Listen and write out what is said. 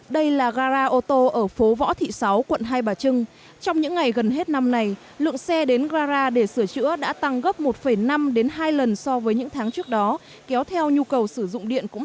đây là gara ô tô ở phố võ thị sáu quận hai bà trưng